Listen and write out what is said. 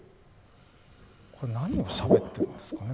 何をしゃべってるんですかね？